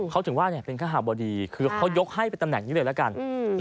เขาถึงว่าเนี่ยจะส่งเป็นค่าบ่อดีเขายกให้ตำแหน่งเลยละกัน